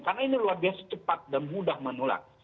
karena ini luar biasa cepat dan mudah menulak